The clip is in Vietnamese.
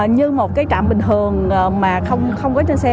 như một cái trạm bình thường mà không có trên xe